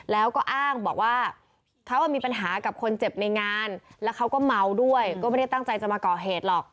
แล้วก็อ้างบอกว่าเขามีปัญหากับคนเจ็บในงานแล้วเขาก็เมาด้วยก็ไม่ได้ตั้งใจจะมาก่อเหตุหรอก